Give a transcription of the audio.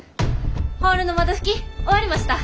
ホールの窓拭き終わりました！